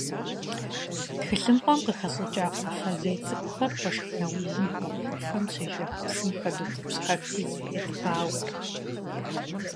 Тхылъымпӏэм къыхэщӏыкӏа кхъуафэжьей цӏыкӏухэр уэшх нэужьым гъуэгу ӏуфэм щежэх псым хэдутӏыпщхьэрти, зэпедгъауэрт.